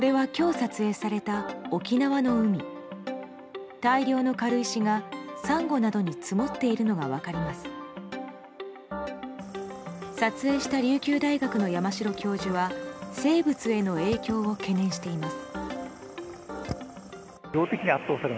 撮影した琉球大学の山城教授は生物への影響を懸念しています。